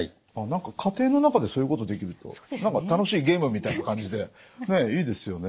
何か家庭の中でそういうことできると楽しいゲームみたいな感じでいいですよね。